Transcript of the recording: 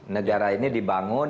negara ini dibangun